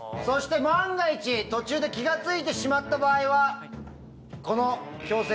そして万が一途中で気が付いてしまった場合はこの。